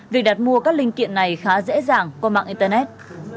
việc đặt mua các linh kiện này khá dễ dàng qua mạng internet